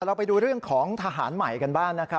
เราไปดูเรื่องของทหารใหม่กันบ้างนะครับ